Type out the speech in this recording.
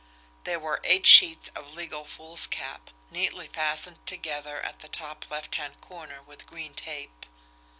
There were eight sheets of legal foolscap, neatly fastened together at the top left hand corner with green tape.